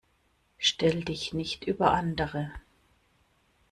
Stell dich nicht über andere.